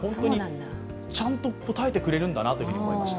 ちゃんと答えてくれるんだなと思いました。